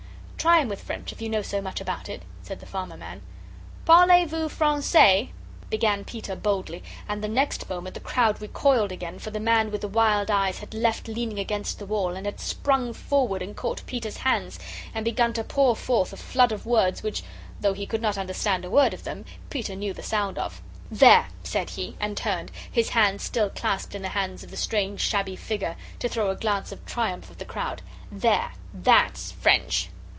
"Try him with French if you know so much about it," said the farmer man. "Parlay voo Frongsay?" began Peter, boldly, and the next moment the crowd recoiled again, for the man with the wild eyes had left leaning against the wall, and had sprung forward and caught Peter's hands, and begun to pour forth a flood of words which, though he could not understand a word of them, Peter knew the sound of. "There!" said he, and turned, his hands still clasped in the hands of the strange shabby figure, to throw a glance of triumph at the crowd; "there; THAT'S French."